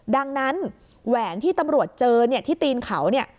ดังนั้นแหวนที่ตำรวจเจอที่ตีนเขา